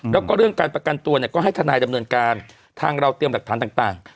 แล้วก็เรื่องการประกันตัวเนี่ยก็ให้ทนายดำเนินการทางเราเตรียมหลักฐานต่าง